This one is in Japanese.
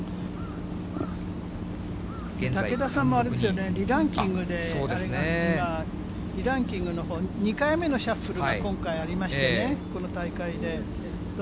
竹田さんもあれですよね、リランキングで今、リランキングのほう、２回目のシャッフルが今回ありましてね、この大会で。